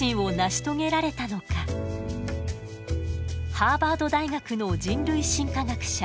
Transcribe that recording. ハーバード大学の人類進化学者